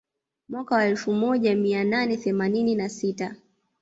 Mwaka wa elfu moja mia nane themanini na sita